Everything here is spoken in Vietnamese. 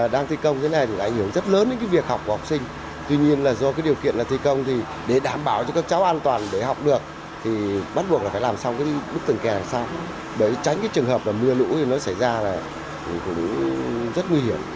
để tránh trường hợp mưa lũ xảy ra là rất nguy hiểm